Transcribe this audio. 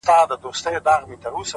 هر څه هېره كاندي’